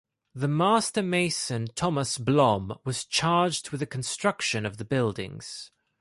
The master mason Thomas Blom was charged with the construction of the buildings.